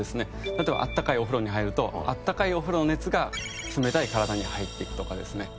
例えば温かいお風呂に入ると温かいお風呂の熱が冷たい体に入っていくとかですね。